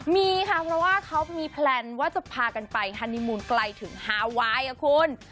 มีค่ะเพราะว่าเขามีแพลนว่าจะพากันไปฮานีมูลไกลถึงฮาไวน์ค่ะคุณ